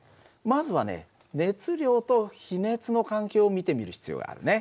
まずはね熱量と比熱の関係を見てみる必要があるね。